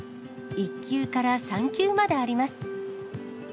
１級から３級まであります。